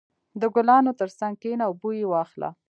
• د ګلانو تر څنګ کښېنه او بوی یې واخله.